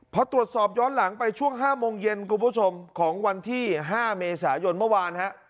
พอตรวจสอบย้อนหลังไปช่วง๕โมงเย็นคุณผู้ชมของวันที่๕เมษายนเมื่อวานฮะ